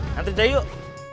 nanti jah yuk